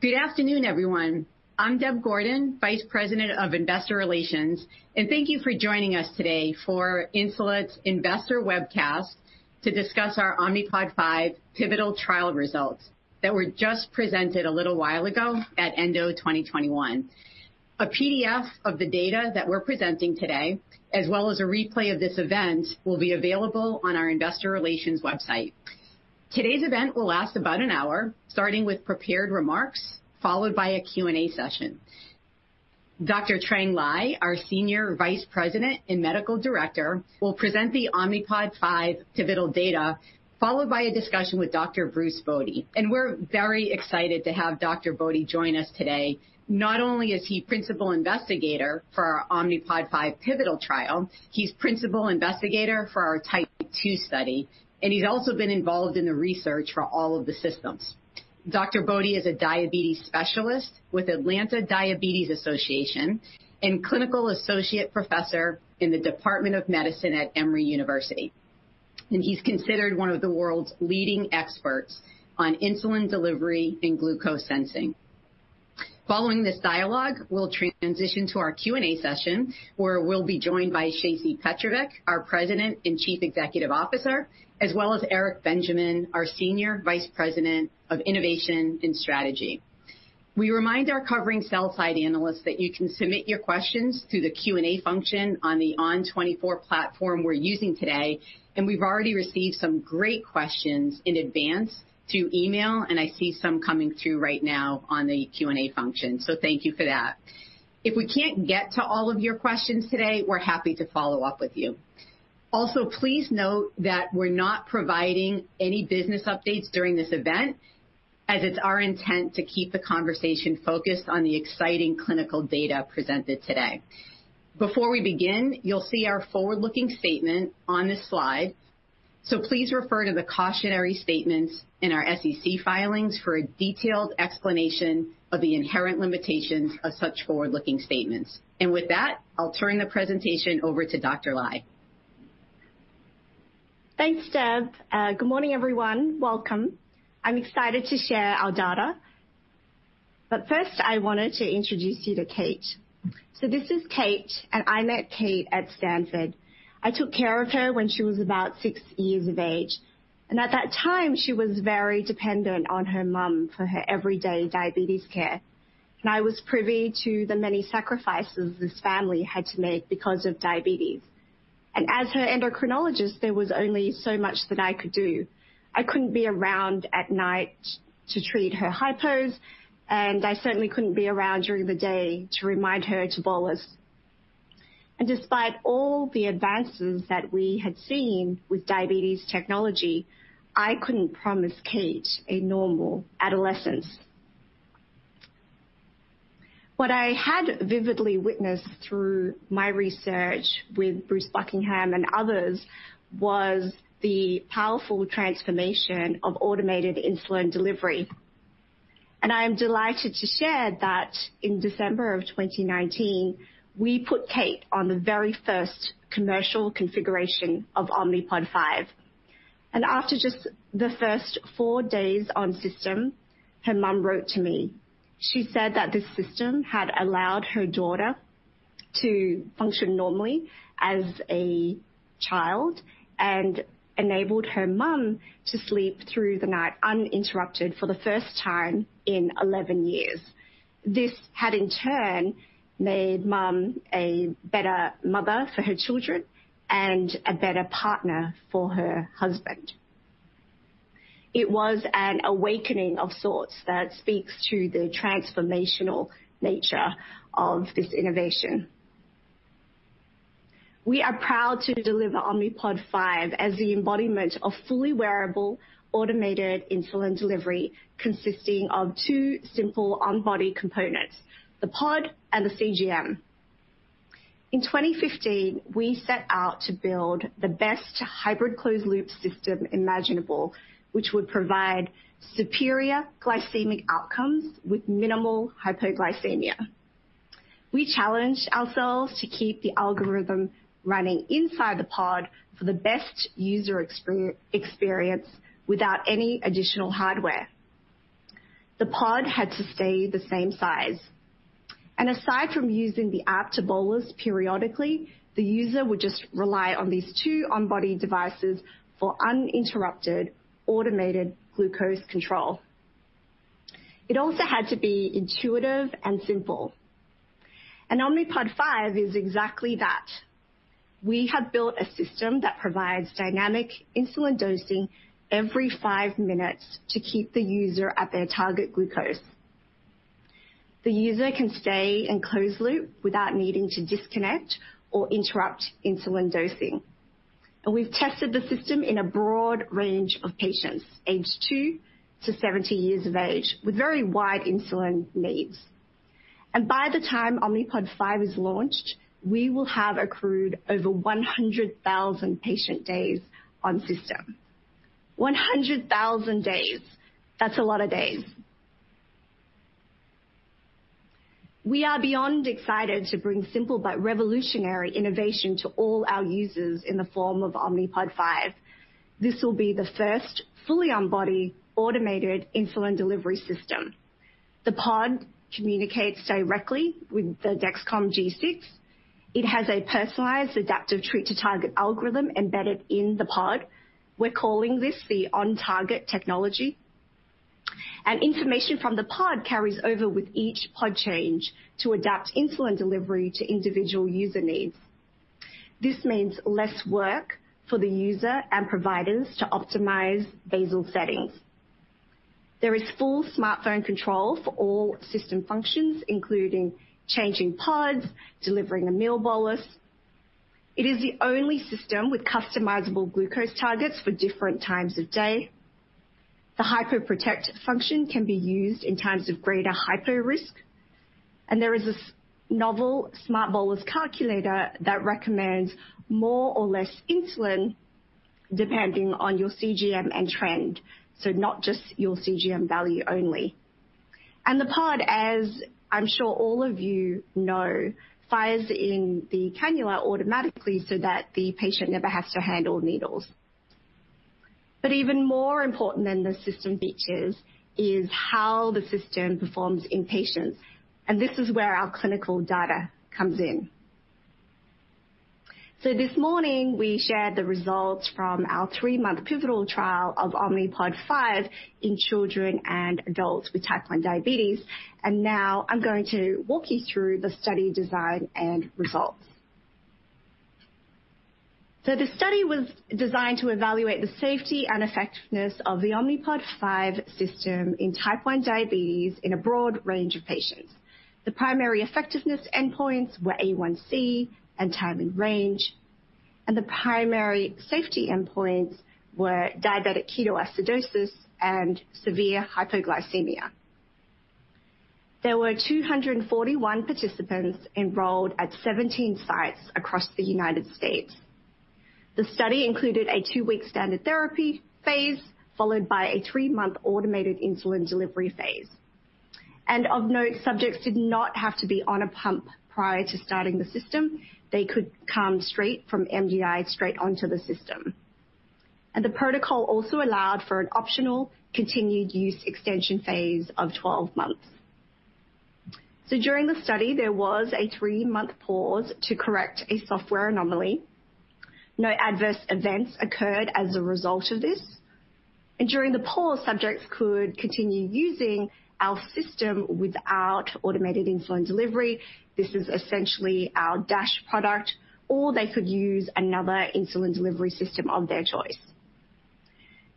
Good afternoon, everyone. I'm Deb Gordon, Vice President of Investor Relations, and thank you for joining us today for Insulet's investor webcast to discuss our Omnipod 5 pivotal trial results that were just presented a little while ago at ENDO 2021. A PDF of the data that we're presenting today, as well as a replay of this event, will be available on our investor relations website. Today's event will last about an hour, starting with prepared remarks, followed by a Q&A session. Dr. Trang Ly, our Senior Vice President and Medical Director, will present the Omnipod 5 pivotal data, followed by a discussion with Dr. Bruce Bode. And we're very excited to have Dr. Bode join us today. Not only is he Principal Investigator for our Omnipod 5 pivotal trial, he's Principal Investigator for our type 2 study, and he's also been involved in the research for all of the systems. Dr. Bode is a diabetes specialist with Atlanta Diabetes Associates and Clinical Associate Professor in the Department of Medicine at Emory University. He's considered one of the world's leading experts on insulin delivery and glucose sensing. Following this dialogue, we'll transition to our Q&A session, where we'll be joined by Shacey Petrovic, our President and Chief Executive Officer, as well as Eric Benjamin, our Senior Vice President of Innovation and Strategy. We remind our covering sell-side analysts that you can submit your questions through the Q&A function on the ON24 platform we're using today, and we've already received some great questions in advance through email, and I see some coming through right now on the Q&A function, so thank you for that. If we can't get to all of your questions today, we're happy to follow up with you. Also, please note that we're not providing any business updates during this event, as it's our intent to keep the conversation focused on the exciting clinical data presented today. Before we begin, you'll see our forward-looking statement on this slide, so please refer to the cautionary statements in our SEC filings for a detailed explanation of the inherent limitations of such forward-looking statements. And with that, I'll turn the presentation over to Dr. Ly. Thanks, Deb. Good morning, everyone. Welcome. I'm excited to share our data. But first, I wanted to introduce you to Kate. So this is Kate, and I met Kate at Stanford. I took care of her when she was about six years of age. And at that time, she was very dependent on her mom for her everyday diabetes care. And I was privy to the many sacrifices this family had to make because of diabetes. And as her endocrinologist, there was only so much that I could do. I couldn't be around at night to treat her hypos, and I certainly couldn't be around during the day to remind her to bolus. And despite all the advances that we had seen with diabetes technology, I couldn't promise Kate a normal adolescence. What I had vividly witnessed through my research with Bruce Buckingham and others was the powerful transformation of automated insulin delivery. And I am delighted to share that in December of 2019, we put Kate on the very first commercial configuration of Omnipod 5. And after just the first four days on system, her mom wrote to me. She said that this system had allowed her daughter to function normally as a child and enabled her mom to sleep through the night uninterrupted for the first time in 11 years. This had, in turn, made mom a better mother for her children and a better partner for her husband. It was an awakening of sorts that speaks to the transformational nature of this innovation. We are proud to deliver Omnipod 5 as the embodiment of fully wearable automated insulin delivery consisting of two simple on-body components: the pod and the CGM. In 2015, we set out to build the best hybrid closed-loop system imaginable, which would provide superior glycemic outcomes with minimal hypoglycemia. We challenged ourselves to keep the algorithm running inside the pod for the best user experience without any additional hardware. The pod had to stay the same size, and aside from using the app to bolus periodically, the user would just rely on these two on-body devices for uninterrupted automated glucose control. It also had to be intuitive and simple, and Omnipod 5 is exactly that. We have built a system that provides dynamic insulin dosing every five minutes to keep the user at their target glucose. The user can stay in closed loop without needing to disconnect or interrupt insulin dosing, and we've tested the system in a broad range of patients, age two to 70 years of age, with very wide insulin needs, and by the time Omnipod 5 is launched, we will have accrued over 100,000 patient days on system. 100,000 days. That's a lot of days. We are beyond excited to bring simple but revolutionary innovation to all our users in the form of Omnipod 5. This will be the first fully on-body automated insulin delivery system. The pod communicates directly with the Dexcom G6. It has a personalized adaptive treat-to-target algorithm embedded in the pod. We're calling this the on-target technology, and information from the pod carries over with each pod change to adapt insulin delivery to individual user needs. This means less work for the user and providers to optimize basal settings. There is full smartphone control for all system functions, including changing pods, delivering a meal bolus. It is the only system with customizable glucose targets for different times of day. The HypoProtect function can be used in times of greater hypo risk, and there is a novel SmartBolus Calculator that recommends more or less insulin depending on your CGM and trend, so not just your CGM value only, and the pod, as I'm sure all of you know, fires in the cannula automatically so that the patient never has to handle needles, but even more important than the system features is how the system performs in patients, and this is where our clinical data comes in. So this morning, we shared the results from our three-month pivotal trial of Omnipod 5 in children and adults with type 1 diabetes. And now I'm going to walk you through the study design and results. So the study was designed to evaluate the safety and effectiveness of the Omnipod 5 system in type 1 diabetes in a broad range of patients. The primary effectiveness endpoints were A1C and time in range. And the primary safety endpoints were diabetic ketoacidosis and severe hypoglycemia. There were 241 participants enrolled at 17 sites across the United States. The study included a two-week standard therapy phase followed by a three-month automated insulin delivery phase. And of note, subjects did not have to be on a pump prior to starting the system. They could come straight from MDI straight onto the system. And the protocol also allowed for an optional continued use extension phase of 12 months. So during the study, there was a three-month pause to correct a software anomaly. No adverse events occurred as a result of this. And during the pause, subjects could continue using our system without automated insulin delivery. This is essentially our DASH product, or they could use another insulin delivery system of their choice.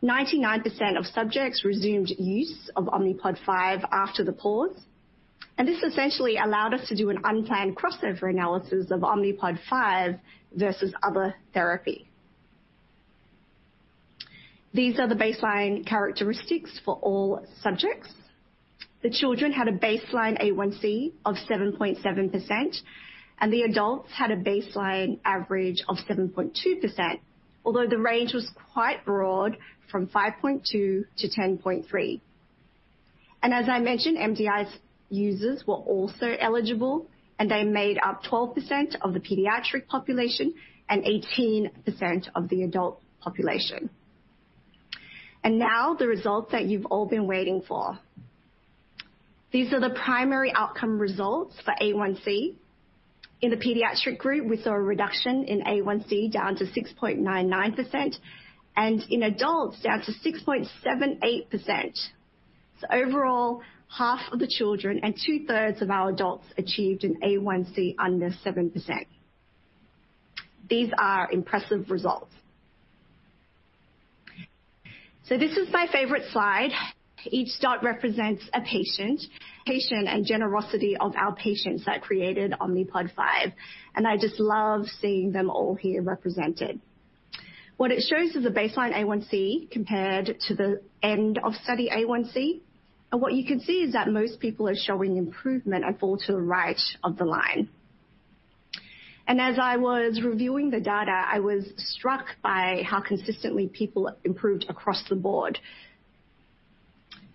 99% of subjects resumed use of Omnipod 5 after the pause. And this essentially allowed us to do an unplanned crossover analysis of Omnipod 5 versus other therapy. These are the baseline characteristics for all subjects. The children had a baseline A1C of 7.7%, and the adults had a baseline average of 7.2%, although the range was quite broad from 5.2%-10.3%. And as I mentioned, MDI users were also eligible, and they made up 12% of the pediatric population and 18% of the adult population. And now the results that you've all been waiting for. These are the primary outcome results for A1C. In the pediatric group, we saw a reduction in A1C down to 6.99% and in adults down to 6.78%. So overall, 1/2 of the children and 2/3 of our adults achieved an A1C under 7%. These are impressive results. So this is my favorite slide. Each dot represents a patient, patience and generosity of our patients that created Omnipod 5. And I just love seeing them all here represented. What it shows is a baseline A1C compared to the end-of-study A1C. And what you can see is that most people are showing improvement and fall to the right of the line. As I was reviewing the data, I was struck by how consistently people improved across the board.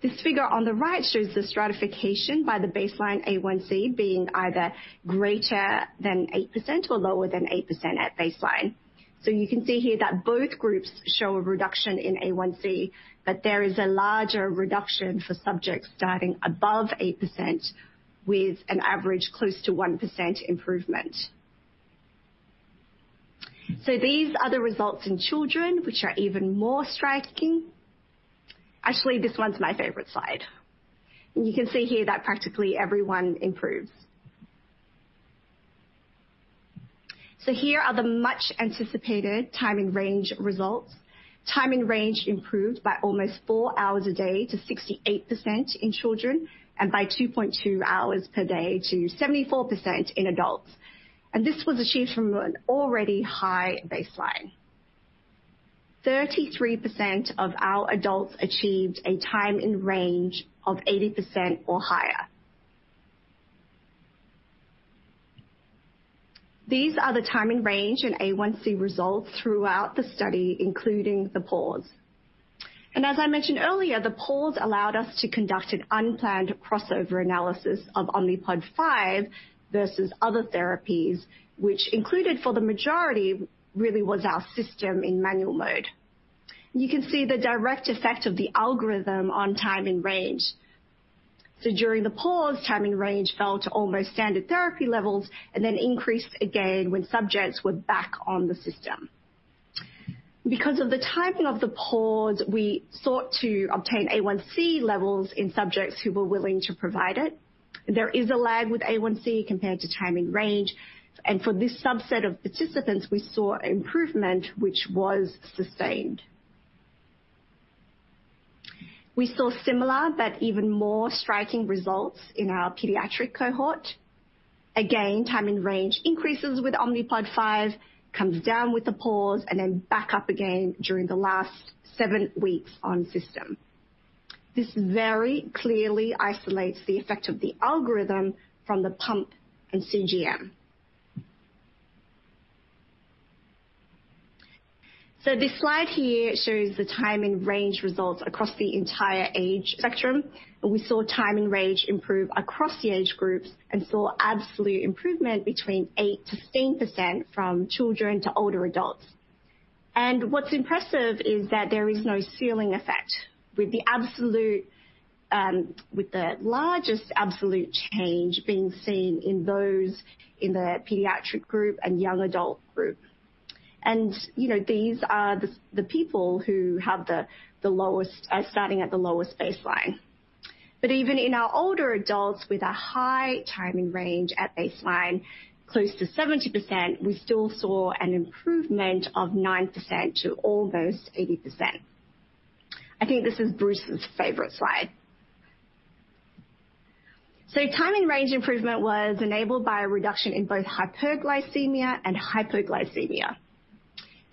This figure on the right shows the stratification by the baseline A1C being either greater than 8% or lower than 8% at baseline. You can see here that both groups show a reduction in A1C, but there is a larger reduction for subjects starting above 8% with an average close to 1% improvement. These are the results in children, which are even more striking. Actually, this one's my favorite slide. You can see here that practically everyone improves. Here are the much-anticipated time in range results. Time in range improved by almost four hours a day to 68% in children and by 2.2 hours per day to 74% in adults. This was achieved from an already high baseline. 33% of our adults achieved a time in range of 80% or higher. These are the time in range and A1C results throughout the study, including the pause, and as I mentioned earlier, the pause allowed us to conduct an unplanned crossover analysis of Omnipod 5 versus other therapies, which included for the majority really was our system in manual mode, and you can see the direct effect of the algorithm on time in range, so during the pause, time in range fell to almost standard therapy levels and then increased again when subjects were back on the system. Because of the timing of the pause, we sought to obtain A1C levels in subjects who were willing to provide it. There is a lag with A1C compared to time in range, and for this subset of participants, we saw improvement, which was sustained. We saw similar but even more striking results in our pediatric cohort. Again, time in range increases with Omnipod 5, comes down with the pause, and then back up again during the last seven weeks on system. This very clearly isolates the effect of the algorithm from the pump and CGM. So this slide here shows the time in range results across the entire age spectrum. And we saw time in range improve across the age groups and saw absolute improvement between 8%-16% from children to older adults. And what's impressive is that there is no ceiling effect, with the largest absolute change being seen in those in the pediatric group and young adult group. And these are the people who have the lowest starting at the lowest baseline. But even in our older adults with a high time in range at baseline, close to 70%, we still saw an improvement of 9% to almost 80%. I think this is Bruce's favorite slide. So time in range improvement was enabled by a reduction in both hyperglycemia and hypoglycemia.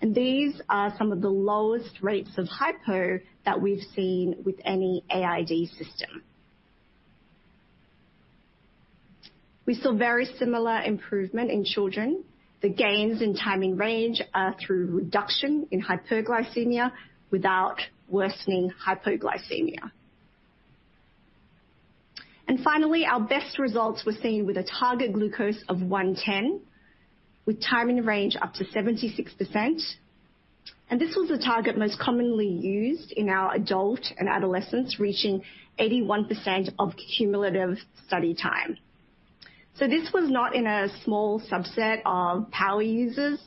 And these are some of the lowest rates of hypo that we've seen with any AID system. We saw very similar improvement in children. The gains in time in range are through reduction in hyperglycemia without worsening hypoglycemia. And finally, our best results were seen with a target glucose of 110, with time in range up to 76%. And this was the target most commonly used in our adults and adolescents, reaching 81% of cumulative study time. So this was not in a small subset of power users.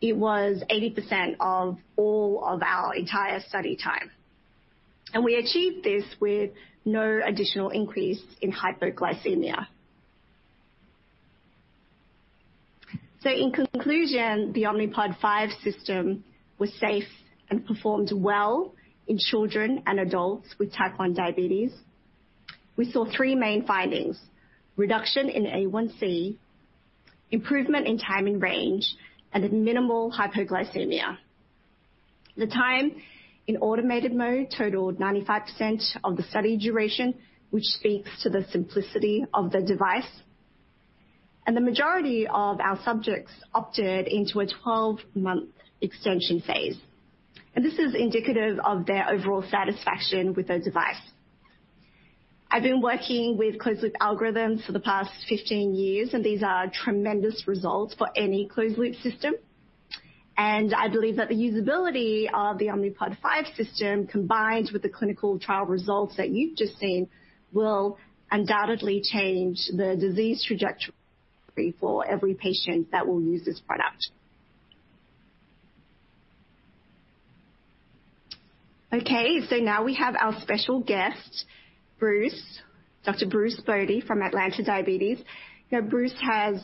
It was 80% of all of our entire study time. And we achieved this with no additional increase in hypoglycemia. So in conclusion, the Omnipod 5 system was safe and performed well in children and adults with type 1 diabetes. We saw three main findings: reduction in A1C, improvement in time in range, and minimal hypoglycemia. The time in Automated Mode totaled 95% of the study duration, which speaks to the simplicity of the device. And the majority of our subjects opted into a 12-month extension phase. And this is indicative of their overall satisfaction with their device. I've been working with closed loop algorithms for the past 15 years, and these are tremendous results for any closed loop system. And I believe that the usability of the Omnipod 5 system, combined with the clinical trial results that you've just seen, will undoubtedly change the disease trajectory for every patient that will use this product. Okay, so now we have our special guest Bruce, Dr. Bruce Bode, from Atlanta Diabetes Associates. Now, Bruce has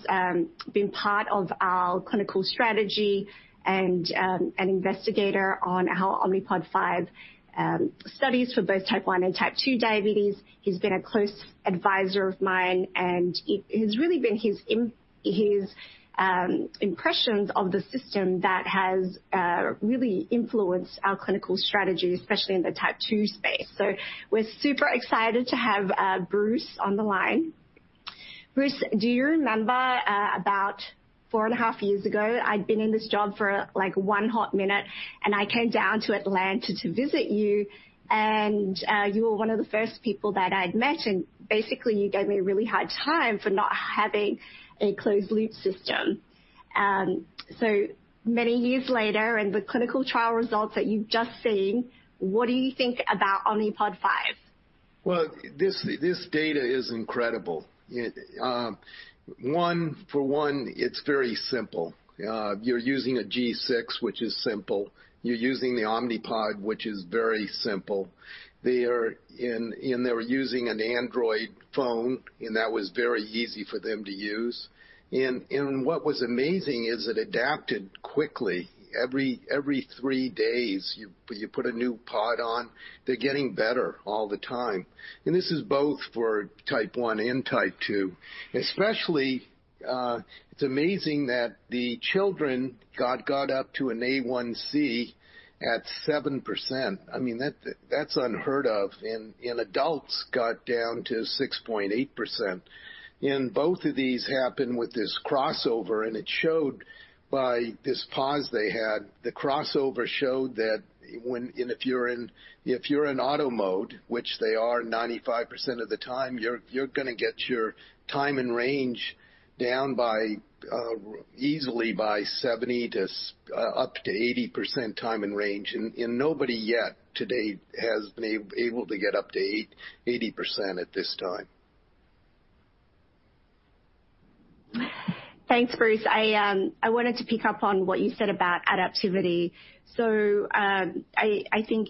been part of our clinical strategy and an investigator on our Omnipod 5 studies for both type 1 and type 2 diabetes. He's been a close advisor of mine, and it has really been his impressions of the system that has really influenced our clinical strategy, especially in the type 2 space. So we're super excited to have Bruce on the line. Bruce, do you remember about four and a half years ago? I'd been in this job for like one hot minute, and I came down to Atlanta to visit you, and you were one of the first people that I'd met, and basically you gave me a really hard time for not having a closed loop system. So many years later, and the clinical trial results that you've just seen, what do you think about Omnipod 5? Well, this data is incredible. One, for one, it's very simple. You're using a G6, which is simple. You're using the Omnipod, which is very simple. They're using an Android phone, and that was very easy for them to use. And what was amazing is it adapted quickly. Every three days, you put a new pod on. They're getting better all the time. And this is both for type 1 and type 2. Especially, it's amazing that the children got up to an A1C at 7%. I mean, that's unheard of. And adults got down to 6.8%. And both of these happened with this crossover, and it showed by this pause they had. The crossover showed that if you're in auto mode, which they are 95% of the time, you're going to get your time in range down easily by 70%-80% time in range. And nobody yet today has been able to get up to 80% at this time. Thanks, Bruce. I wanted to pick up on what you said about adaptivity. So I think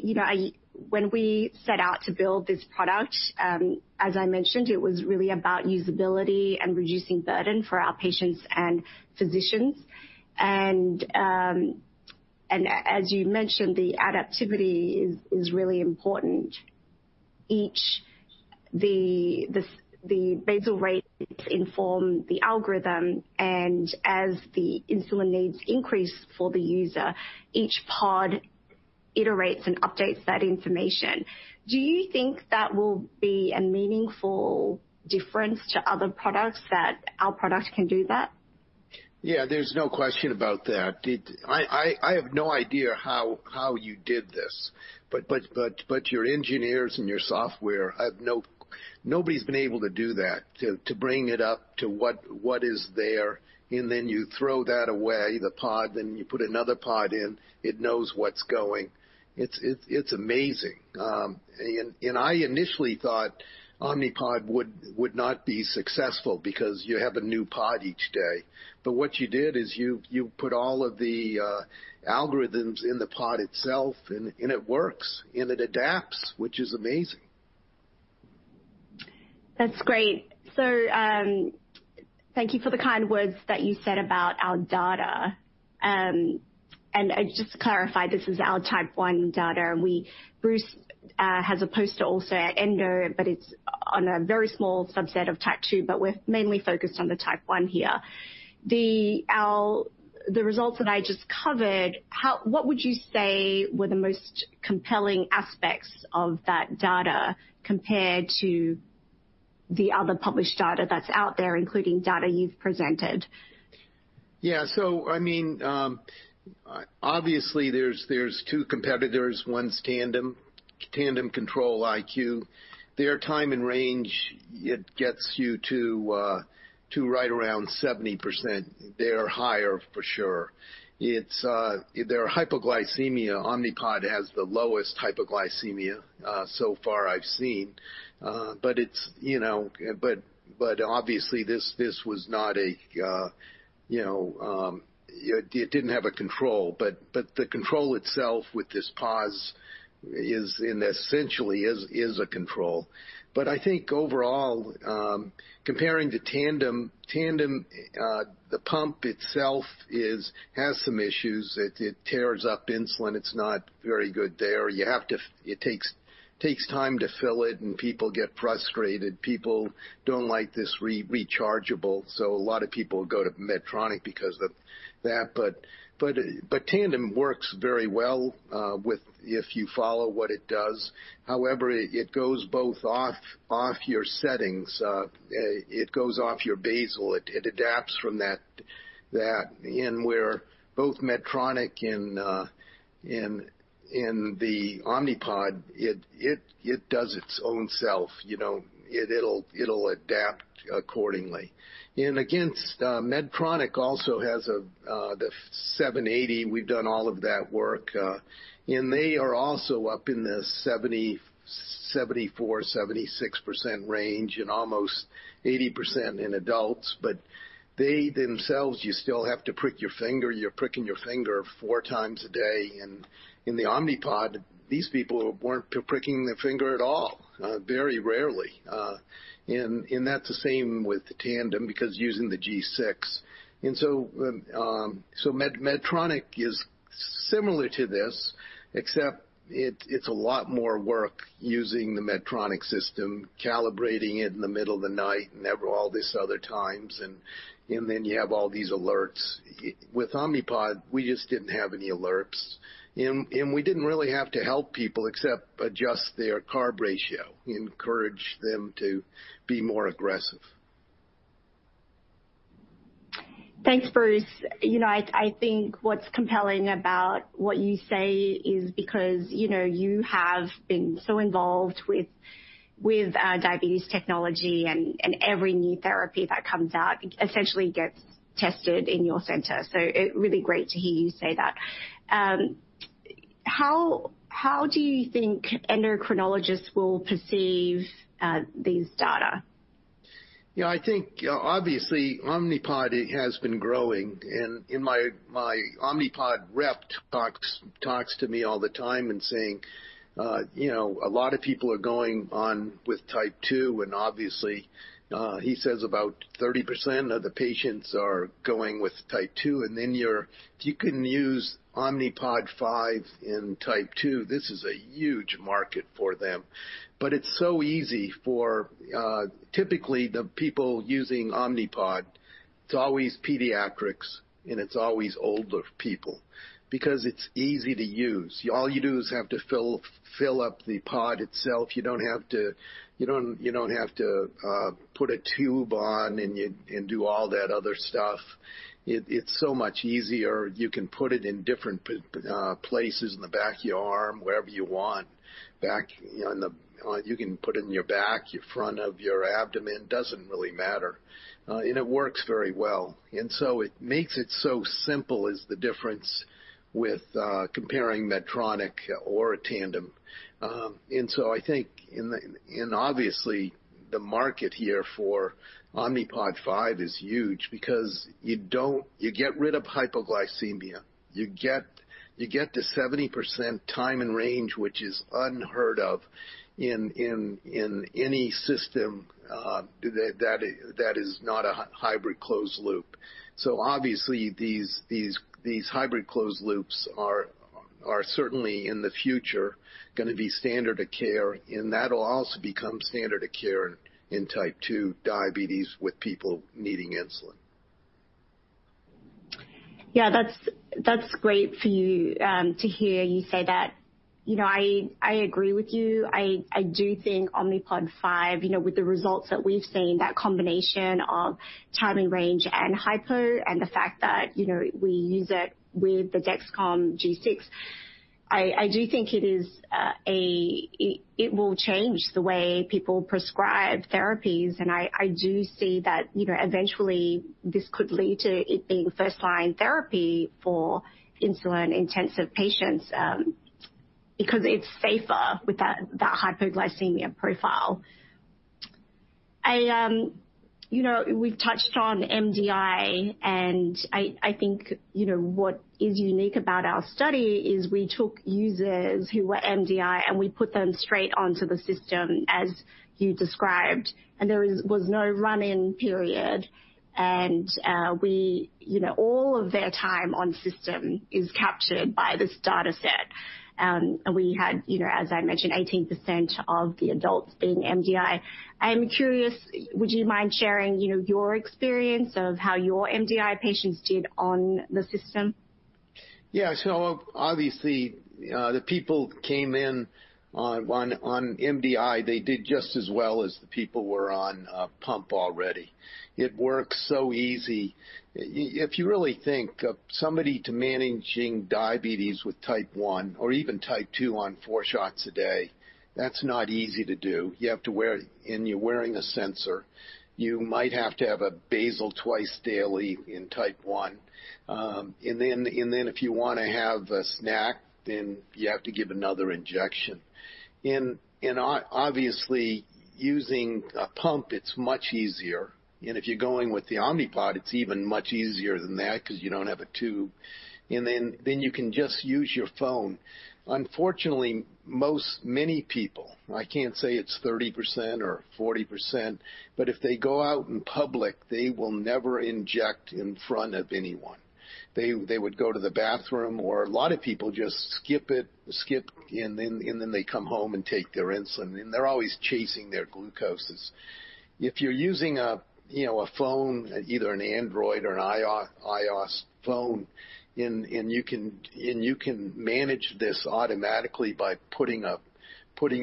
when we set out to build this product, as I mentioned, it was really about usability and reducing burden for our patients and physicians. And as you mentioned, the adaptivity is really important. The basal rate informs the algorithm, and as the insulin needs increase for the user, each pod iterates and updates that information. Do you think that will be a meaningful difference to other products that our product can do that? Yeah, there's no question about that. I have no idea how you did this, but your engineers and your software, nobody's been able to do that, to bring it up to what is there, and then you throw that away, the pod, then you put another pod in, it knows what's going. It's amazing, and I initially thought Omnipod would not be successful because you have a new pod each day, but what you did is you put all of the algorithms in the pod itself, and it works, and it adapts, which is amazing. That's great, so thank you for the kind words that you said about our data, and I just clarify, this is our type 1 data. Bruce has a poster also at Endo, but it's on a very small subset of type 2, but we're mainly focused on the type 1 here. The results that I just covered, what would you say were the most compelling aspects of that data compared to the other published data that's out there, including data you've presented? Yeah, so I mean, obviously, there's two competitors. One's Tandem, Tandem Control-IQ. Their time in range, it gets you to right around 70%. They're higher, for sure. Their hypoglycemia, Omnipod has the lowest hypoglycemia so far I've seen. But obviously, this was not. It didn't have a control. But the control itself with this pause is essentially a control. But I think overall, comparing to Tandem, the pump itself has some issues. It tears up insulin. It takes time to fill it, and people get frustrated. People don't like this rechargeable. So a lot of people go to Medtronic because of that. But Tandem works very well if you follow what it does. However, it goes both off your settings. It goes off your basal. It adapts from that. And with both Medtronic and the Omnipod, it does its own self. It'll adapt accordingly. And again, Medtronic also has the 70%-80%. We've done all of that work. And they are also up in the 74%-76% range and almost 80% in adults. But they themselves, you still have to prick your finger. You're pricking your finger four times a day. And in the Omnipod, these people weren't pricking their finger at all, very rarely. And that's the same with Tandem because using the G6. And so Medtronic is similar to this, except it's a lot more work using the Medtronic system, calibrating it in the middle of the night and all these other times. And then you have all these alerts. With Omnipod, we just didn't have any alerts. We didn't really have to help people except adjust their carb ratio, encourage them to be more aggressive. Thanks, Bruce. I think what's compelling about what you say is because you have been so involved with diabetes technology and every new therapy that comes out essentially gets tested in your center, so really great to hear you say that. How do you think endocrinologists will perceive these data? Yeah, I think obviously Omnipod has been growing, and my Omnipod rep talks to me all the time and saying, "A lot of people are going on with type 2," and obviously, he says about 30% of the patients are going with type 2, and then you can use Omnipod 5 in type 2. This is a huge market for them. But it's so easy for typically the people using Omnipod. It's always pediatrics, and it's always older people because it's easy to use. All you do is have to fill up the pod itself. You don't have to put a tube on and do all that other stuff. It's so much easier. You can put it in different places in the back of your arm, wherever you want. You can put it in your back, your front of your abdomen. It doesn't really matter. And it works very well. And so it makes it so simple is the difference with comparing Medtronic or Tandem. And so I think, and obviously, the market here for Omnipod 5 is huge because you get rid of hypoglycemia. You get the 70% time in range, which is unheard of in any system that is not a hybrid closed loop. So obviously, these hybrid closed loops are certainly in the future going to be standard of care. And that will also become standard of care in type 2 diabetes with people needing insulin. Yeah, that's great for you to hear you say that. I agree with you. I do think Omnipod 5, with the results that we've seen, that combination of time in range and hypo and the fact that we use it with the Dexcom G6, I do think it will change the way people prescribe therapies. And I do see that eventually this could lead to it being first-line therapy for insulin-intensive patients because it's safer with that hypoglycemia profile. We've touched on MDI, and I think what is unique about our study is we took users who were MDI, and we put them straight onto the system, as you described. And there was no run-in period. And all of their time on system is captured by this dataset. And we had, as I mentioned, 18% of the adults being MDI. I'm curious. Would you mind sharing your experience of how your MDI patients did on the system? Yeah, so obviously, the people came in on MDI, they did just as well as the people were on pump already. It works so easy. If you really think somebody managing diabetes with type 1 or even type 2 on four shots a day, that's not easy to do. You have to wear it, and you're wearing a sensor. You might have to have a basal twice daily in type 1. And then if you want to have a snack, then you have to give another injection. And obviously, using a pump, it's much easier. And if you're going with the Omnipod, it's even much easier than that because you don't have a tube. And then you can just use your phone. Unfortunately, many people, I can't say it's 30% or 40%, but if they go out in public, they will never inject in front of anyone. They would go to the bathroom, or a lot of people just skip it, and then they come home and take their insulin. And they're always chasing their glucoses. If you're using a phone, either an Android or an iOS phone, and you can manage this automatically by putting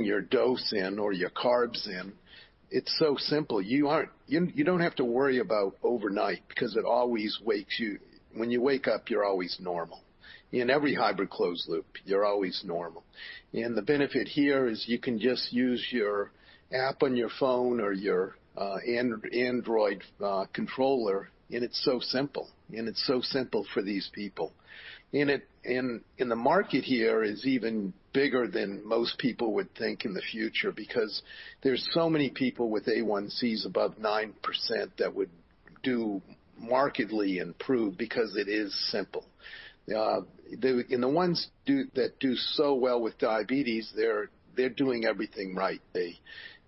your dose in or your carbs in, it's so simple. You don't have to worry about overnight because it always wakes you. When you wake up, you're always normal. In every hybrid closed loop, you're always normal. And the benefit here is you can just use your app on your phone or your Android controller, and it's so simple. And it's so simple for these people. And the market here is even bigger than most people would think in the future because there's so many people with A1Cs above 9% that would do markedly improve because it is simple. And the ones that do so well with diabetes, they're doing everything right.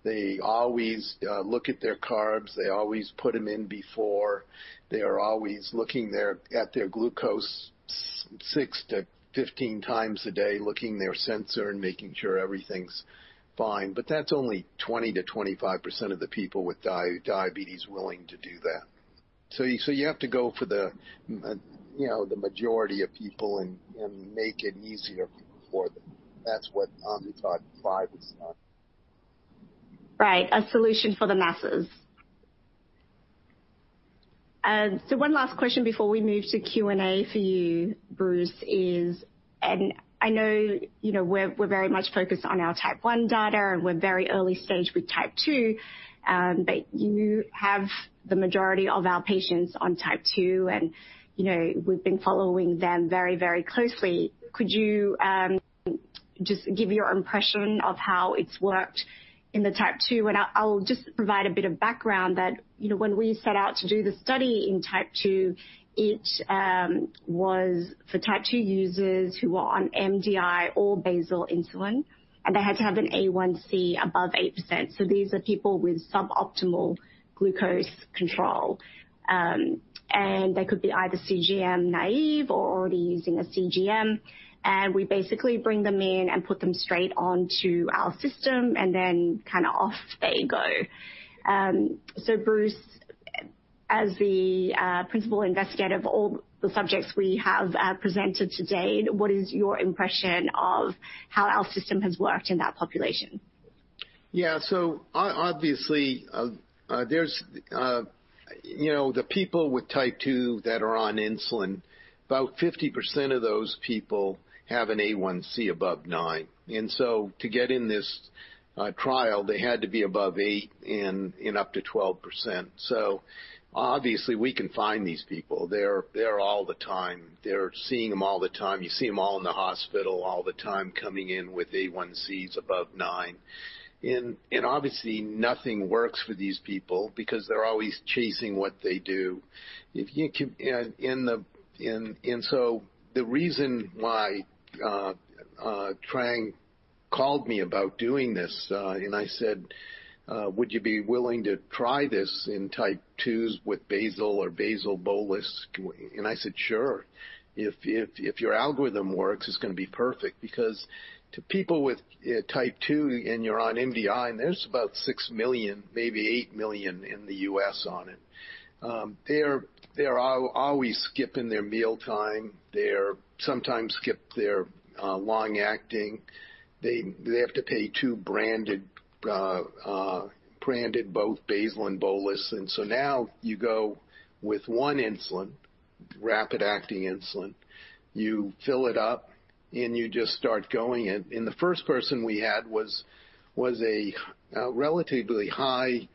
They always look at their carbs. They always put them in before. They are always looking at their glucose six to 15 times a day, looking their sensor and making sure everything's fine. But that's only 20%-25% of the people with diabetes willing to do that. So you have to go for the majority of people and make it easier for them. That's what Omnipod 5 is done. Right, a solution for the masses. So one last question before we move to Q&A for you, Bruce, is, and I know we're very much focused on our type 1 data and we're very early stage with type 2, but you have the majority of our patients on type 2, and we've been following them very, very closely. Could you just give your impression of how it's worked in the type 2? And I'll just provide a bit of background that when we set out to do the study in type 2, it was for type 2 users who were on MDI or basal insulin, and they had to have an A1C above 8%. So these are people with suboptimal glucose control. And they could be either CGM naive or already using a CGM. And we basically bring them in and put them straight onto our system, and then kind of off they go. So Bruce, as the principal investigator of all the subjects we have presented today, what is your impression of how our system has worked in that population? Yeah, so obviously, the people with type 2 that are on insulin, about 50% of those people have an A1C above 9%. And so to get in this trial, they had to be above 8% and up to 12%. So obviously, we can find these people. They're all the time. They're seeing them all in the hospital all the time coming in with A1Cs above 9%. And obviously, nothing works for these people because they're always chasing what they do. And so the reason why Trang called me about doing this, and I said, "Would you be willing to try this in type 2s with basal or basal bolus?" And I said, "Sure. If your algorithm works, it's going to be perfect." Because to people with type 2 and you're on MDI, and there's about 6 million, maybe 8 million in the U.S. on it, they're always skipping their mealtime. They sometimes skip their long-acting. They have to pay two branded both basal and bolus. And so now you go with one insulin, rapid-acting insulin, you fill it up, and you just start going. And the first person we had was a relatively high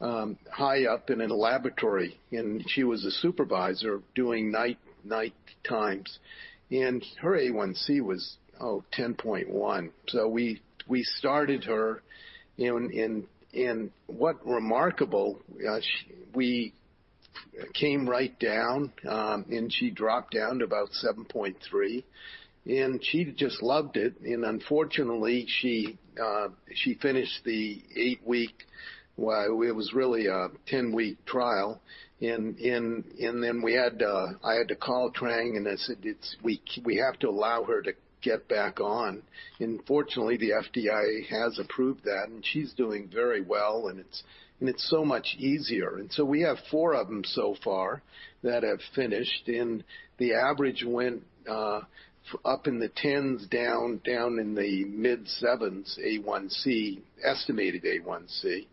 up in a laboratory, and she was a supervisor doing night times. And her A1C was, oh, 10.1%. So we started her, and what's remarkable, we came right down, and she dropped down to about 7.3%. And she just loved it. And unfortunately, she finished the eight-week, well, it was really a 10-week trial. And then I had to call Trang and I said, "We have to allow her to get back on." And fortunately, the FDA has approved that, and she's doing very well, and it's so much easier. And so we have four of them so far that have finished. And the average went up in the 10s, down in the mid 7s, estimated A1C.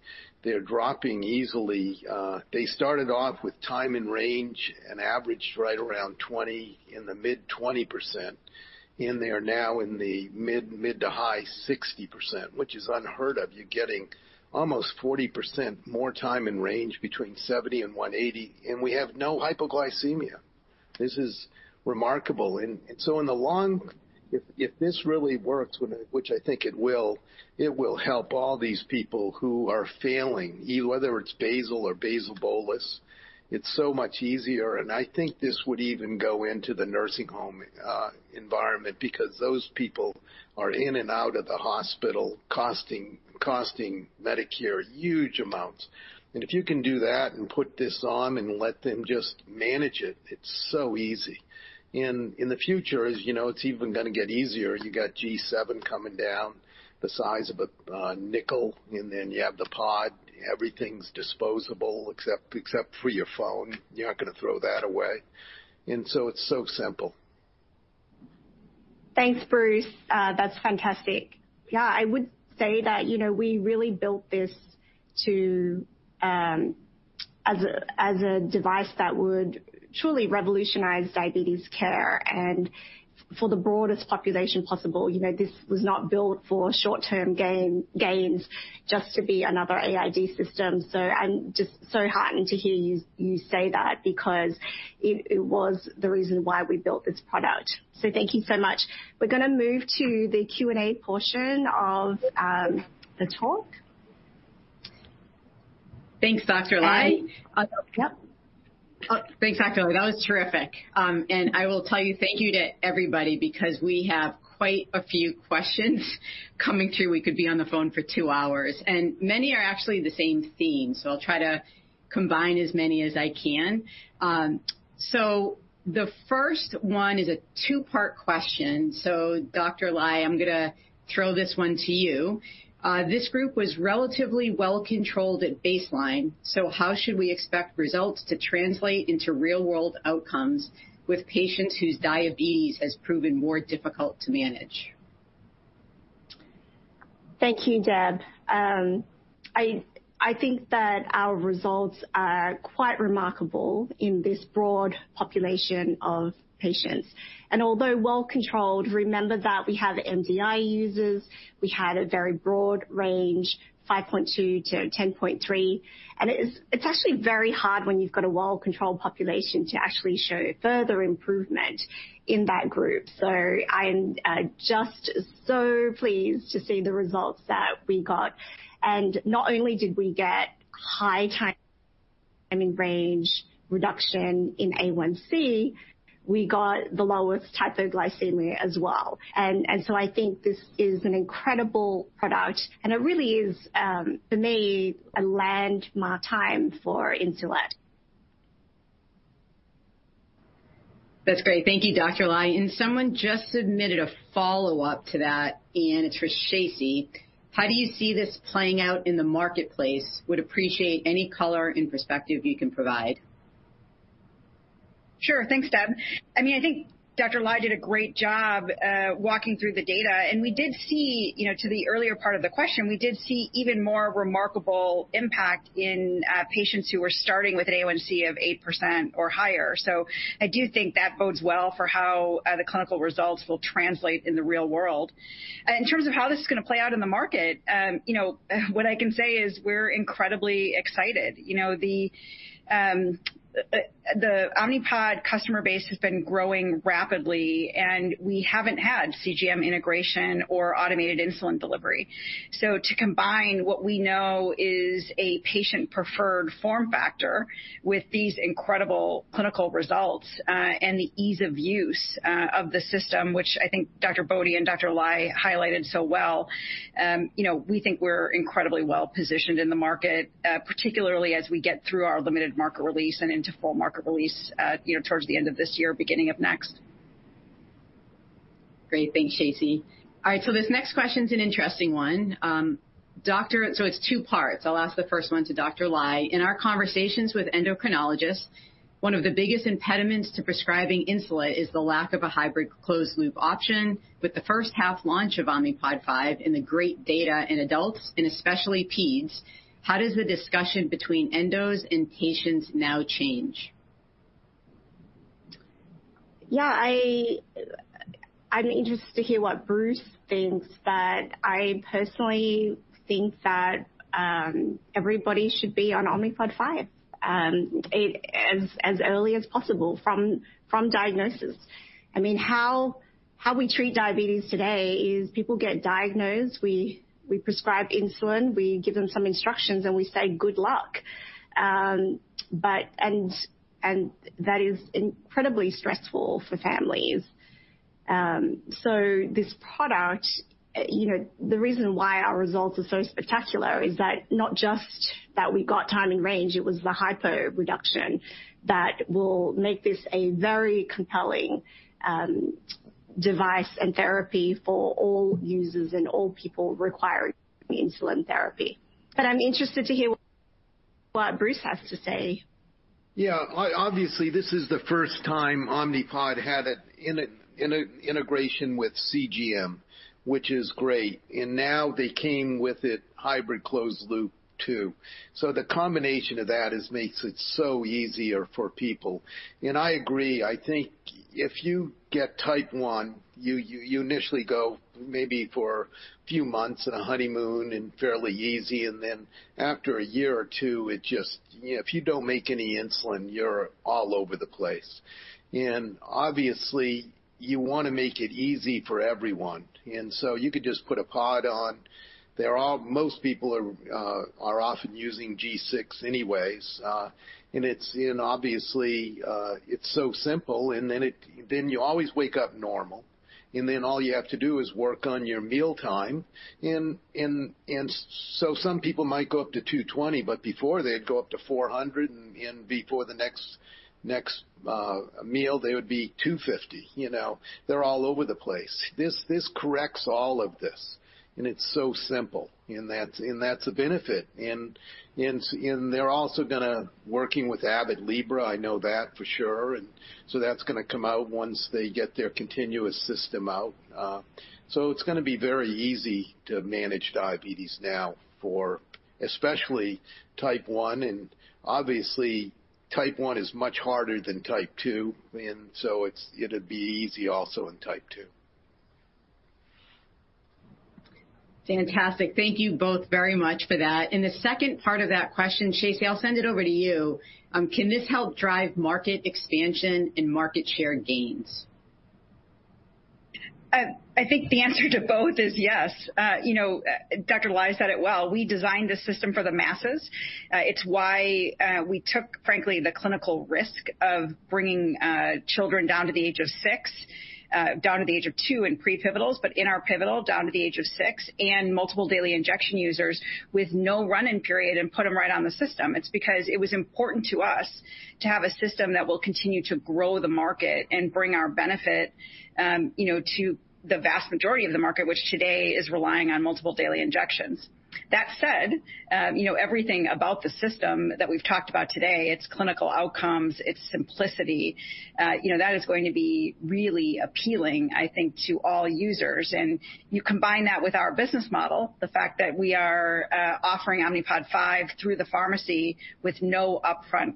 They're dropping easily. They started off with time in range and averaged right around 20%, in the mid 20%. And they are now in the mid to high 60%, which is unheard of. You're getting almost 40% more time in range between 70% and 180%. And we have no hypoglycemia. This is remarkable. And so in the long, if this really works, which I think it will, it will help all these people who are failing, whether it's basal or basal bolus. It's so much easier. And I think this would even go into the nursing home environment because those people are in and out of the hospital costing Medicare huge amounts. And if you can do that and put this on and let them just manage it, it's so easy. And in the future, as you know, it's even going to get easier. You got G7 coming down, the size of a nickel, and then you have the pod. Everything's disposable except for your phone. You're not going to throw that away. And so it's so simple. Thanks, Bruce. That's fantastic. Yeah, I would say that we really built this as a device that would truly revolutionize diabetes care and for the broadest population possible. This was not built for short-term gains just to be another AID system. So I'm just so heartened to hear you say that because it was the reason why we built this product. So thank you so much. We're going to move to the Q&A portion of the talk. Thanks, Dr. Ly. That was terrific. And I will tell you, thank you to everybody because we have quite a few questions coming through. We could be on the phone for two hours. And many are actually the same theme, so I'll try to combine as many as I can. So the first one is a two-part question. So Dr. Ly, I'm going to throw this one to you. This group was relatively well controlled at baseline. So how should we expect results to translate into real-world outcomes with patients whose diabetes has proven more difficult to manage? Thank you, Deb. I think that our results are quite remarkable in this broad population of patients. And although well controlled, remember that we have MDI users. We had a very broad range, 5.2%-10.3%. And it's actually very hard when you've got a well-controlled population to actually show further improvement in that group. So I am just so pleased to see the results that we got. And not only did we get high time in range reduction in A1C, we got the lowest hypoglycemia as well. And so I think this is an incredible product. And it really is, for me, a landmark time for insulin. That's great. Thank you, Dr. Ly. And someone just submitted a follow-up to that, and it's for Shacey. How do you see this playing out in the marketplace? Would appreciate any color and perspective you can provide. Sure. Thanks, Deb. I mean, I think Dr. Ly did a great job walking through the data. And we did see, to the earlier part of the question, we did see even more remarkable impact in patients who were starting with an A1C of 8% or higher. So I do think that bodes well for how the clinical results will translate in the real world. In terms of how this is going to play out in the market, what I can say is we're incredibly excited. The Omnipod customer base has been growing rapidly, and we haven't had CGM integration or automated insulin delivery. So to combine what we know is a patient-preferred form factor with these incredible clinical results and the ease of use of the system, which I think Dr. Bode and Dr. Ly highlighted so well, we think we're incredibly well positioned in the market, particularly as we get through our limited market release and into full market release towards the end of this year, beginning of next. Great. Thanks, Shacey. All right, so this next question is an interesting one. So it's two parts. I'll ask the first one to Dr. Ly. In our conversations with endocrinologists, one of the biggest impediments to prescribing insulin is the lack of a hybrid closed-loop option. With the first-half launch of Omnipod 5 and the great data in adults, and especially peds, how does the discussion between endos and patients now change? Yeah, I'm interested to hear what Bruce thinks, but I personally think that everybody should be on Omnipod 5 as early as possible from diagnosis. I mean, how we treat diabetes today is people get diagnosed, we prescribe insulin, we give them some instructions, and we say, "Good luck." And that is incredibly stressful for families. So this product, the reason why our results are so spectacular is that not just that we got time in range, it was the hypo-reduction that will make this a very compelling device and therapy for all users and all people requiring insulin therapy. But I'm interested to hear what Bruce has to say. Yeah, obviously, this is the first time Omnipod had an integration with CGM, which is great. And now they came with it hybrid closed-loop too. So the combination of that makes it so easier for people. And I agree. I think if you get type 1, you initially go maybe for a few months in a honeymoon and fairly easy, and then after a year or two, if you don't make any insulin, you're all over the place. And obviously, you want to make it easy for everyone. And so you could just put a pod on. Most people are often using G6 anyways. And obviously, it's so simple, and then you always wake up normal. And then all you have to do is work on your mealtime. And so some people might go up to 220, but before they'd go up to 400, and before the next meal, they would be 250. They're all over the place. This corrects all of this. And it's so simple. And that's a benefit. And they're also going to be working with Abbott Libre. I know that for sure. And so that's going to come out once they get their continuous system out. So it's going to be very easy to manage diabetes now, for especially type 1. And obviously, type 1 is much harder than type 2. And so it'll be easy also in type 2. Fantastic. Thank you both very much for that. In the second part of that question, Shacey, I'll send it over to you. Can this help drive market expansion and market share gains? I think the answer to both is yes. Dr. Ly said it well. We designed this system for the masses. It's why we took, frankly, the clinical risk of bringing children down to the age of six, down to the age of two in pre-pivitals, but in our pivotal, down to the age of six, and multiple daily injections users with no run-in period and put them right on the system. It's because it was important to us to have a system that will continue to grow the market and bring our benefit to the vast majority of the market, which today is relying on multiple daily injections. That said, everything about the system that we've talked about today, its clinical outcomes, its simplicity, that is going to be really appealing, I think, to all users. And you combine that with our business model, the fact that we are offering Omnipod 5 through the pharmacy with no upfront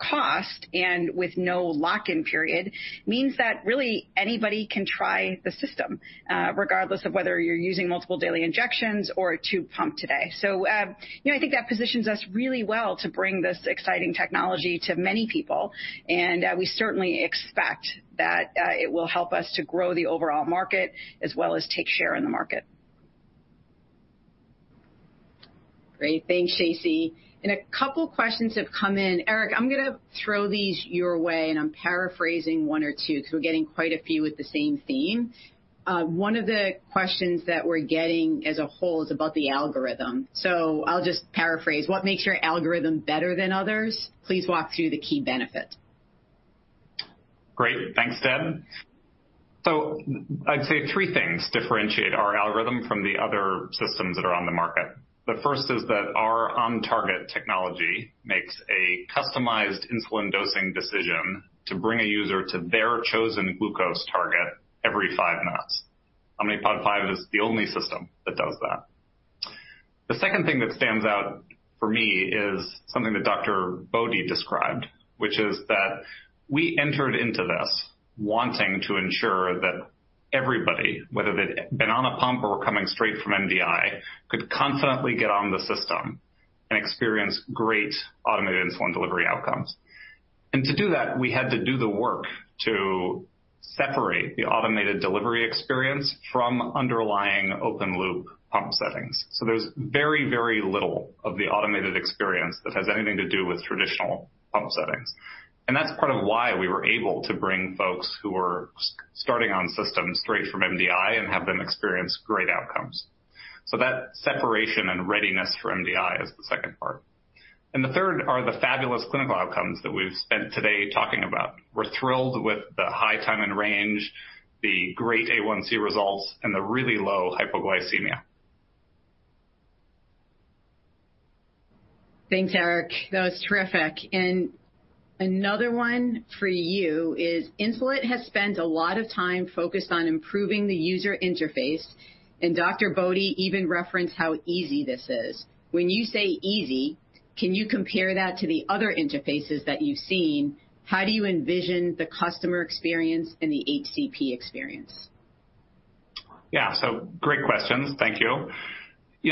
cost and with no lock-in period means that really anybody can try the system, regardless of whether you're using multiple daily injections or a tube pump today. So I think that positions us really well to bring this exciting technology to many people. And we certainly expect that it will help us to grow the overall market as well as take share in the market. Great. Thanks, Shacey. And a couple of questions have come in. Eric, I'm going to throw these your way, and I'm paraphrasing one or two because we're getting quite a few with the same theme. One of the questions that we're getting as a whole is about the algorithm. So I'll just paraphrase. What makes your algorithm better than others? Please walk through the key benefit. Great. Thanks, Deb. So I'd say three things differentiate our algorithm from the other systems that are on the market. The first is that our OnTarget Technology makes a customized insulin dosing decision to bring a user to their chosen glucose target every five minutes. Omnipod 5 is the only system that does that. The second thing that stands out for me is something that Dr. Bode described, which is that we entered into this wanting to ensure that everybody, whether they'd been on a pump or were coming straight from MDI, could confidently get on the system and experience great automated insulin delivery outcomes. And to do that, we had to do the work to separate the automated delivery experience from underlying open-loop pump settings. So there's very, very little of the automated experience that has anything to do with traditional pump settings. And that's part of why we were able to bring folks who were starting on systems straight from MDI and have them experience great outcomes. So that separation and readiness for MDI is the second part. And the third are the fabulous clinical outcomes that we've spent today talking about. We're thrilled with the high time in range, the great A1C results, and the really low hypoglycemia. Thanks, Eric. That was terrific. And another one for you is Insulet has spent a lot of time focused on improving the user interface. And Dr. Bode even referenced how easy this is. When you say easy, can you compare that to the other interfaces that you've seen? How do you envision the customer experience and the HCP experience? Yeah, so great questions. Thank you.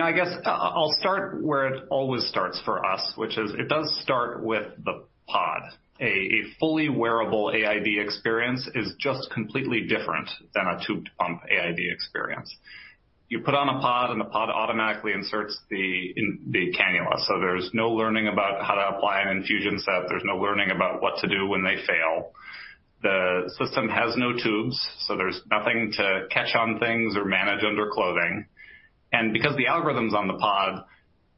I guess I'll start where it always starts for us, which is it does start with the pod. A fully wearable AID experience is just completely different than a tube pump AID experience. You put on a pod, and the pod automatically inserts the cannula. So there's no learning about how to apply an infusion set. There's no learning about what to do when they fail. The system has no tubes, so there's nothing to catch on things or manage under clothing. And because the algorithm's on the pod,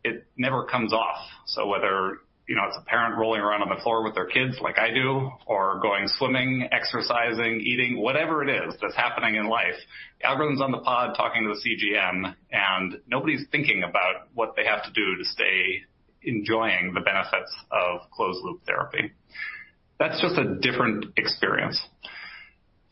it never comes off. So whether it's a parent rolling around on the floor with their kids like I do, or going swimming, exercising, eating, whatever it is that's happening in life, the algorithm's on the pod talking to the CGM, and nobody's thinking about what they have to do to stay enjoying the benefits of closed-loop therapy. That's just a different experience.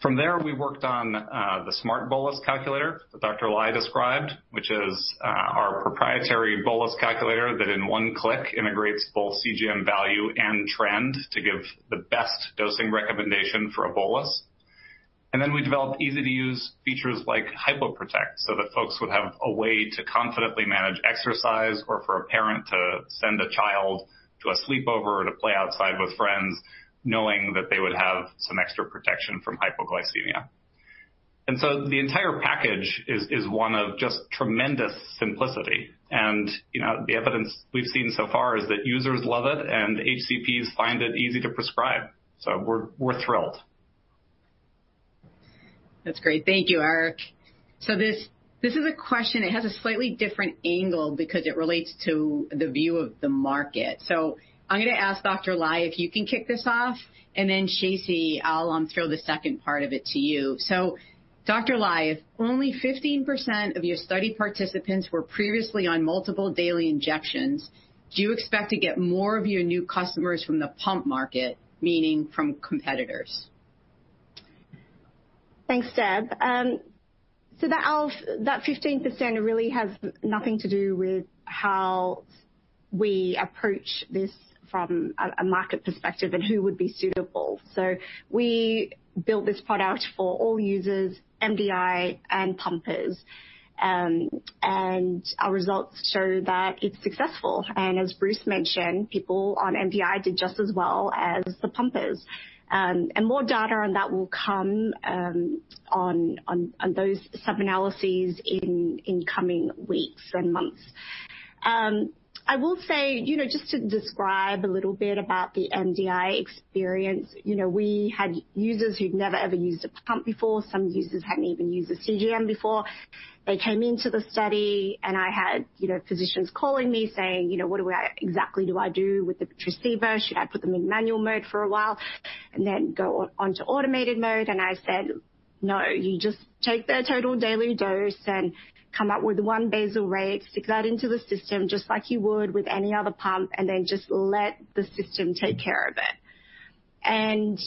From there, we worked on the Smart Bolus Calculator that Dr. Ly described, which is our proprietary bolus calculator that in one click integrates both CGM value and trend to give the best dosing recommendation for a bolus. And then we developed easy-to-use features like HypoProtect so that folks would have a way to confidently manage exercise or for a parent to send a child to a sleepover or to play outside with friends, knowing that they would have some extra protection from hypoglycemia. And so the entire package is one of just tremendous simplicity. And the evidence we've seen so far is that users love it, and HCPs find it easy to prescribe. So we're thrilled. That's great. Thank you, Eric. So this is a question. It has a slightly different angle because it relates to the view of the market. So I'm going to ask Dr. Ly if you can kick this off. And then, Shacey, I'll throw the second part of it to you. So, Dr. Ly, if only 15% of your study participants were previously on multiple daily injections, do you expect to get more of your new customers from the pump market, meaning from competitors? Thanks, Deb. So that 15% really has nothing to do with how we approach this from a market perspective and who would be suitable. So we built this pod out for all users, MDI, and pumpers. And our results show that it's successful. And as Bruce mentioned, people on MDI did just as well as the pumpers. And more data on that will come on those sub-analyses in coming weeks and months. I will say, just to describe a little bit about the MDI experience, we had users who'd never, ever used a pump before. Some users hadn't even used a CGM before. They came into the study, and I had physicians calling me saying, "What exactly do I do with the receiver? Should I put them in manual mode for a while and then go on to Automated Mode?" And I said, "No, you just take their total daily dose and come up with one basal rate, stick that into the system just like you would with any other pump, and then just let the system take care of it." And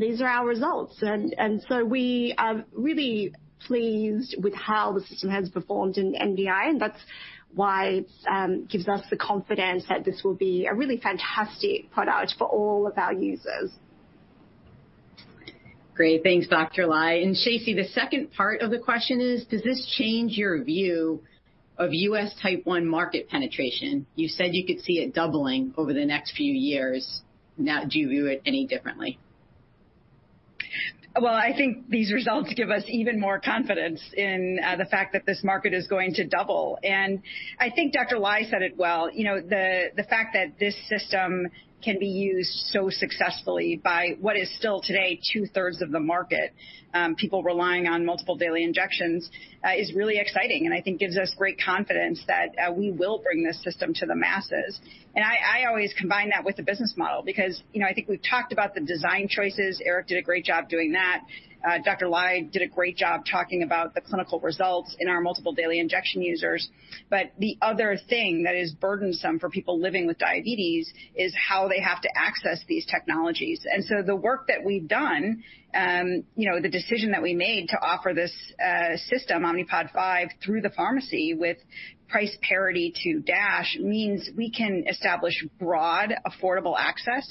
these are our results. And so we are really pleased with how the system has performed in MDI, and that's why it gives us the confidence that this will be a really fantastic product for all of our users. Great. Thanks, Dr. Ly. And, Shacey, the second part of the question is, does this change your view of U.S. type 1 market penetration? You said you could see it doubling over the next few years. Do you view it any differently? Well, I think these results give us even more confidence in the fact that this market is going to double. And I think Dr. Ly said it well. The fact that this system can be used so successfully by what is still today 2/3 of the market, people relying on multiple daily injections, is really exciting. And I think gives us great confidence that we will bring this system to the masses. And I always combine that with the business model because I think we've talked about the design choices. Eric did a great job doing that. Dr. Ly did a great job talking about the clinical results in our multiple daily injection users. But the other thing that is burdensome for people living with diabetes is how they have to access these technologies. And so the work that we've done, the decision that we made to offer this system, Omnipod 5, through the pharmacy with price parity to DASH, means we can establish broad, affordable access.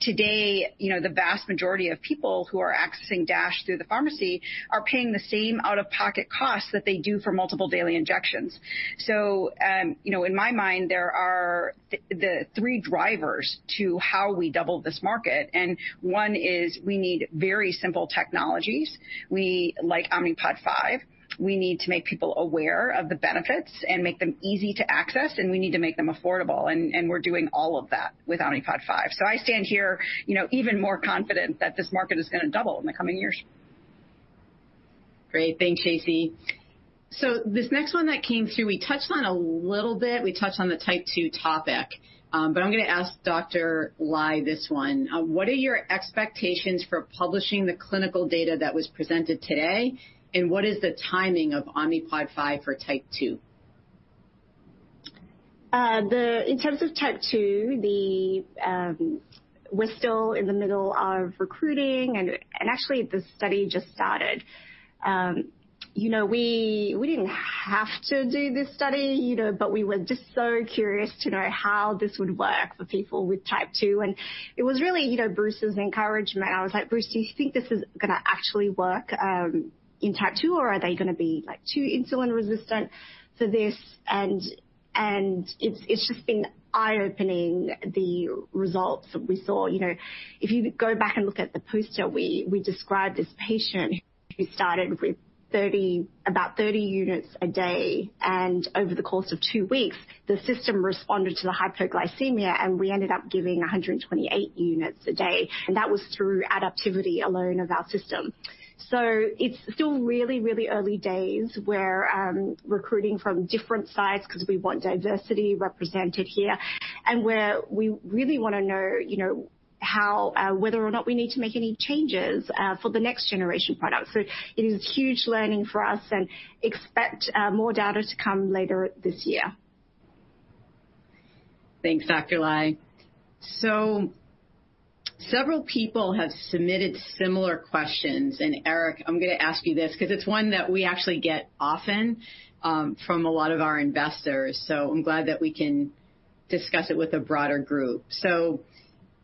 Today, the vast majority of people who are accessing DASH through the pharmacy are paying the same out-of-pocket costs that they do for multiple daily injections. So in my mind, there are the three drivers to how we doubled this market. And one is we need very simple technologies like Omnipod 5. We need to make people aware of the benefits and make them easy to access, and we need to make them affordable. And we're doing all of that with Omnipod 5. So I stand here even more confident that this market is going to double in the coming years. Great. Thanks, Shacey. So this next one that came through, we touched on a little bit. We touched on the type 2 topic. But I'm going to ask Dr. Ly this one. What are your expectations for publishing the clinical data that was presented today? And what is the timing of Omnipod 5 for type 2? In terms of type 2, we're still in the middle of recruiting. And actually, the study just started. We didn't have to do this study, but we were just so curious to know how this would work for people with type 2. And it was really Bruce's encouragement. I was like, "Bruce, do you think this is going to actually work in type 2, or are they going to be too insulin resistant for this?" And it's just been eye-opening, the results that we saw. If you go back and look at the poster, we described this patient who started with about 30 units a day. And over the course of two weeks, the system responded to the hypoglycemia, and we ended up giving 128 units a day. And that was through adaptivity alone of our system. So it's still really, really early days. We're recruiting from different sites because we want diversity represented here, and where we really want to know whether or not we need to make any changes for the next generation product. So it is huge learning for us and expect more data to come later this year. Thanks, Dr. Ly. Several people have submitted similar questions. Eric, I'm going to ask you this because it's one that we actually get often from a lot of our investors. I'm glad that we can discuss it with a broader group.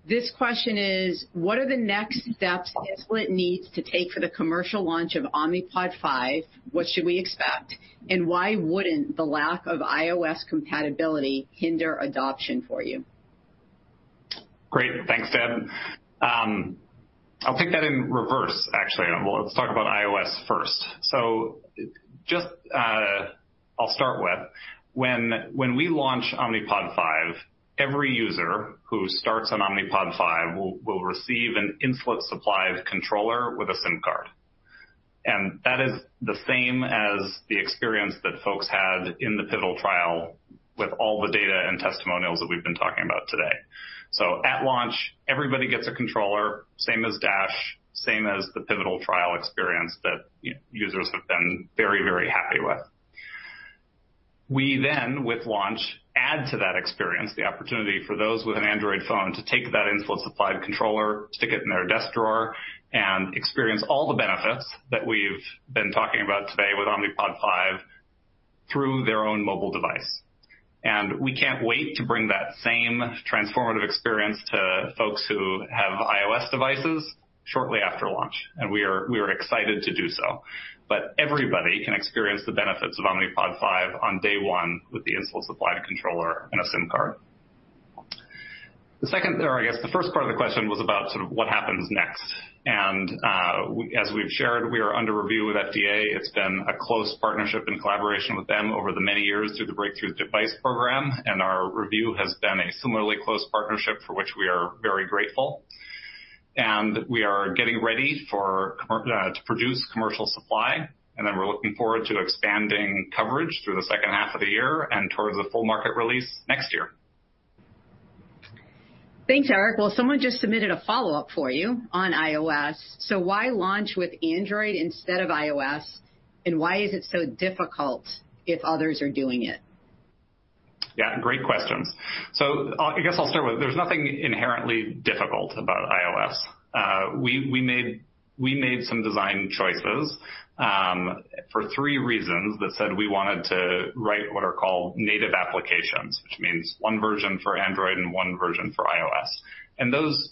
This question is, what are the next steps Insulet needs to take for the commercial launch of Omnipod 5? What should we expect? And why wouldn't the lack of iOS compatibility hinder adoption for you? Great. Thanks, Deb. I'll take that in reverse, actually. Let's talk about iOS first. Just I'll start with, when we launch Omnipod 5, every user who starts on Omnipod 5 will receive an Insulet-supplied controller with a SIM card. And that is the same as the experience that folks had in the pivotal trial with all the data and testimonials that we've been talking about today. So at launch, everybody gets a controller, same as DASH, same as the pivotal trial experience that users have been very, very happy with. We then, with launch, add to that experience the opportunity for those with an Android phone to take that Insulet-supplied controller, stick it in their desk drawer, and experience all the benefits that we've been talking about today with Omnipod 5 through their own mobile device. And we can't wait to bring that same transformative experience to folks who have iOS devices shortly after launch. And we are excited to do so. But everybody can experience the benefits of Omnipod 5 on day one with the Insulet-supplied controller and a SIM card. The second, or I guess the first part of the question was about sort of what happens next. And as we've shared, we are under review with FDA. It's been a close partnership and collaboration with them over the many years through the Breakthrough Device Program, and our review has been a similarly close partnership for which we are very grateful, and we are getting ready to produce commercial supply, and then we're looking forward to expanding coverage through the second half of the year and towards the full market release next year. Thanks, Eric. Well, someone just submitted a follow-up for you on iOS, so why launch with Android instead of iOS, and why is it so difficult if others are doing it? Yeah, great questions, so I guess I'll start with. There's nothing inherently difficult about iOS. We made some design choices for three reasons that said we wanted to write what are called native applications, which means one version for Android and one version for iOS. And those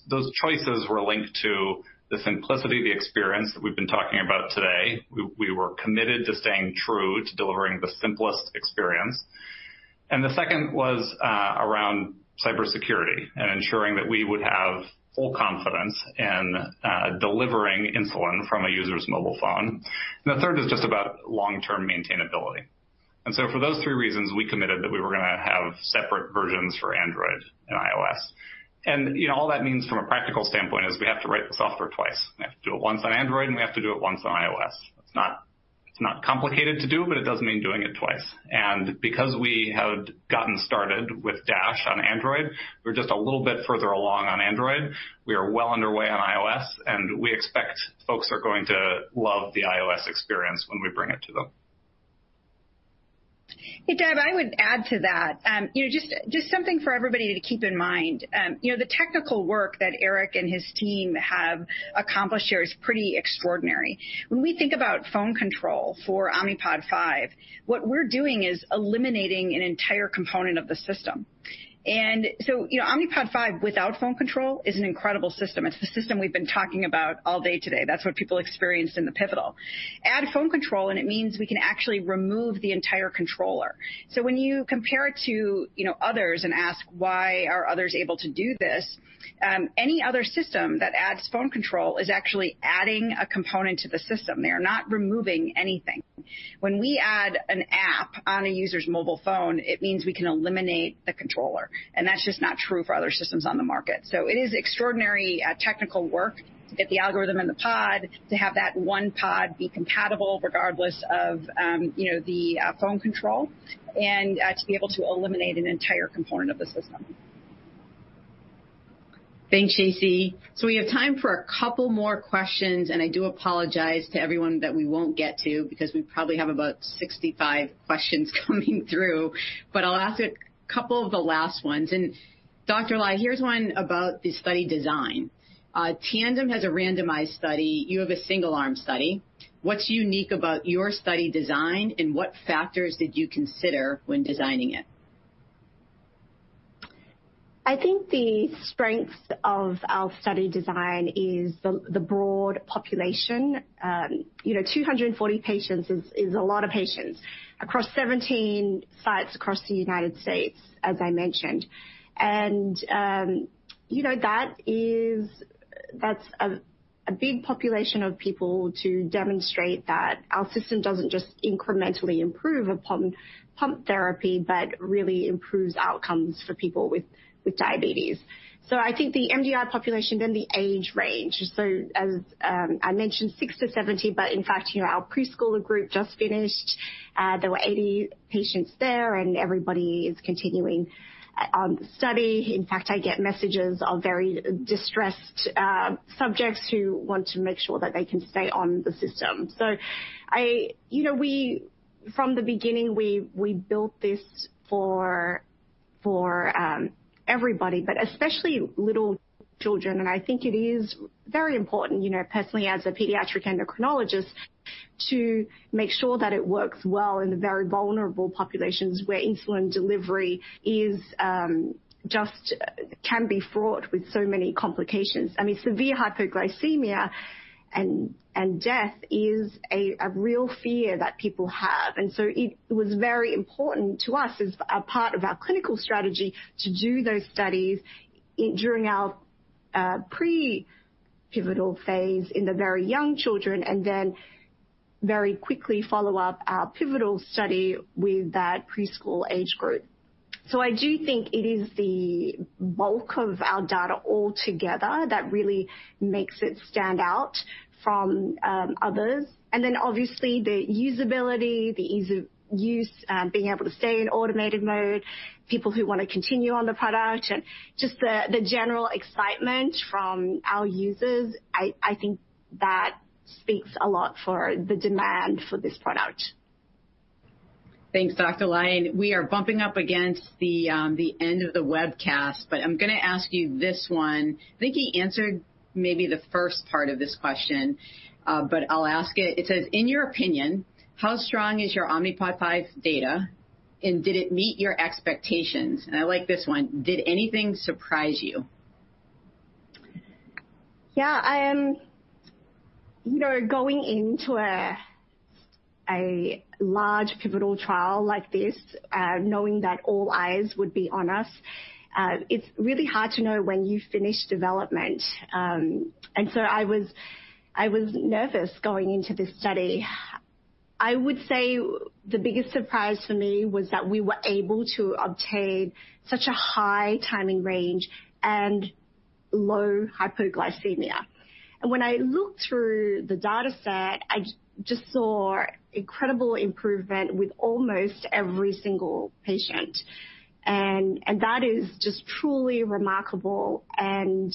choices were linked to the simplicity, the experience that we've been talking about today. We were committed to staying true to delivering the simplest experience. And the second was around cybersecurity and ensuring that we would have full confidence in delivering insulin from a user's mobile phone. And the third is just about long-term maintainability. And so for those three reasons, we committed that we were going to have separate versions for Android and iOS. And all that means from a practical standpoint is we have to write the software twice. We have to do it once on Android, and we have to do it once on iOS. It's not complicated to do, but it does mean doing it twice. And because we had gotten started with DASH on Android, we're just a little bit further along on Android. We are well underway on iOS. And we expect folks are going to love the iOS experience when we bring it to them. Hey, Deb, I would add to that. Just something for everybody to keep in mind. The technical work that Eric and his team have accomplished here is pretty extraordinary. When we think about phone control for Omnipod 5, what we're doing is eliminating an entire component of the system. And so Omnipod 5 without phone control is an incredible system. It's the system we've been talking about all day today. That's what people experienced in the pivotal. Add phone control, and it means we can actually remove the entire controller. So when you compare it to others and ask, why are others able to do this? Any other system that adds phone control is actually adding a component to the system. They are not removing anything. When we add an app on a user's mobile phone, it means we can eliminate the controller. And that's just not true for other systems on the market. So it is extraordinary technical work at the algorithm and the pod to have that one pod be compatible regardless of the phone control and to be able to eliminate an entire component of the system. Thanks, Shacey. So we have time for a couple more questions. And I do apologize to everyone that we won't get to because we probably have about 65 questions coming through. But I'll ask a couple of the last ones. And, Dr. Ly, here's one about the study design. Tandem has a randomized study. You have a single-arm study. What's unique about your study design, and what factors did you consider when designing it? I think the strength of our study design is the broad population. 240 patients is a lot of patients across 17 sites across the United States, as I mentioned, and that's a big population of people to demonstrate that our system doesn't just incrementally improve upon pump therapy, but really improves outcomes for people with diabetes, so I think the MDI population and the age range, so as I mentioned, six to 70, but in fact, our preschooler group just finished. There were 80 patients there, and everybody is continuing on the study. In fact, I get messages of very distressed subjects who want to make sure that they can stay on the system, so from the beginning, we built this for everybody, but especially little children, and I think it is very important, personally, as a pediatric endocrinologist, to make sure that it works well in the very vulnerable populations where insulin delivery just can be fraught with so many complications. I mean, severe hypoglycemia and death is a real fear that people have. And so it was very important to us as a part of our clinical strategy to do those studies during our pre-pivotal phase in the very young children and then very quickly follow up our pivotal study with that preschool age group. So I do think it is the bulk of our data altogether that really makes it stand out from others. And then, obviously, the usability, the ease of use, being able to stay in Automated Mode, people who want to continue on the product, and just the general excitement from our users, I think that speaks a lot for the demand for this product. Thanks, Dr. Ly. And we are bumping up against the end of the webcast. But I'm going to ask you this one. I think he answered maybe the first part of this question, but I'll ask it. It says, in your opinion, how strong is your Omnipod 5 data? And did it meet your expectations? And I like this one. Did anything surprise you? Yeah, going into a large pivotal trial like this, knowing that all eyes would be on us, it's really hard to know when you finish development. And so I was nervous going into this study. I would say the biggest surprise for me was that we were able to obtain such a high Time in Range and low hypoglycemia. And when I looked through the data set, I just saw incredible improvement with almost every single patient. And that is just truly remarkable. And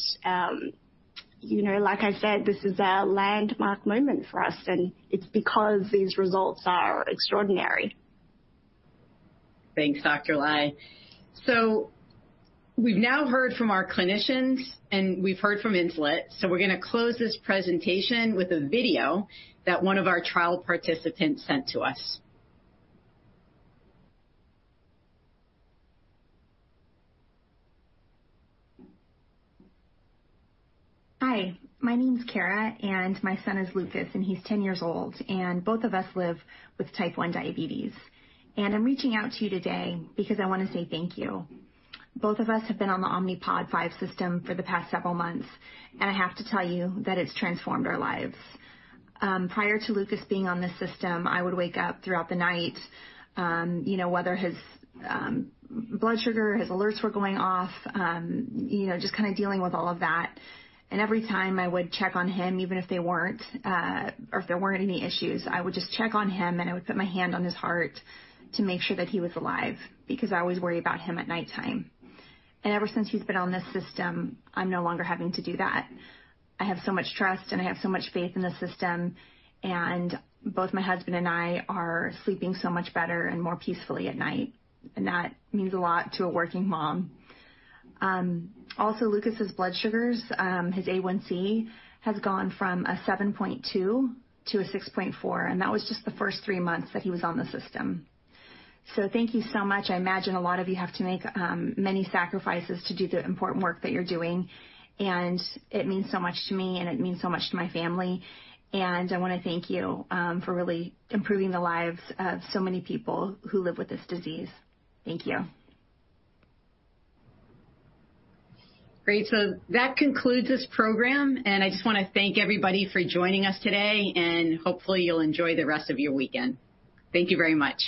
like I said, this is a landmark moment for us. And it's because these results are extraordinary. Thanks, Dr. Ly. So we've now heard from our clinicians, and we've heard from Insulet. So we're going to close this presentation with a video that one of our trial participants sent to us. Hi. My name's Cara, and my son is Lucas, and he's 10 years old. And both of us live with type 1 diabetes. And I'm reaching out to you today because I want to say thank you. Both of us have been on the Omnipod 5 system for the past several months. And I have to tell you that it's transformed our lives. Prior to Lucas being on this system, I would wake up throughout the night, whether his blood sugar, his alerts were going off, just kind of dealing with all of that. And every time I would check on him, even if they weren't, or if there weren't any issues, I would just check on him, and I would put my hand on his heart to make sure that he was alive because I always worry about him at nighttime. And ever since he's been on this system, I'm no longer having to do that. I have so much trust, and I have so much faith in the system. And both my husband and I are sleeping so much better and more peacefully at night. And that means a lot to a working mom. Also, Lucas's blood sugars, his A1C, has gone from a 7.2% to a 6.4%. And that was just the first three months that he was on the system. So thank you so much. I imagine a lot of you have to make many sacrifices to do the important work that you're doing. And it means so much to me, and it means so much to my family. And I want to thank you for really improving the lives of so many people who live with this disease. Thank you. Great. So that concludes this program. And I just want to thank everybody for joining us today. And hopefully, you'll enjoy the rest of your weekend. Thank you very much.